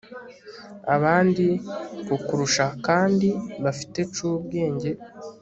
Abandi kukurushakandi bafite cubwenge